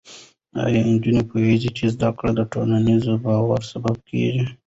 ایا نجونې پوهېږي چې زده کړه د ټولنیز باور سبب کېږي؟